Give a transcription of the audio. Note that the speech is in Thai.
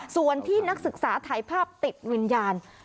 ส่วนที่นักศึกษาถ่ายภาพติดวิญญาณ